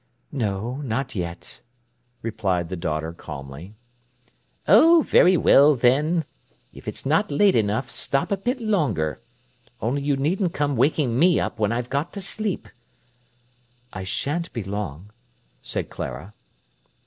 "No, not yet," replied the daughter calmly. "Oh, very well then! If it's not late enough, stop a bit longer. Only you needn't come waking me up when I've got to sleep." "I shan't be long," said Clara.